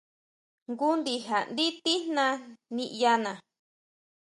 Jngu ndija ndí tijna niʼyana.